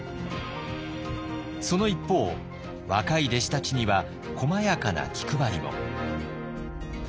その一方若い弟子たちにはこまやかな気配りも。